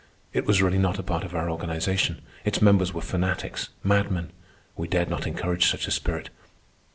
It was really not a part of our organization. Its members were fanatics, madmen. We dared not encourage such a spirit.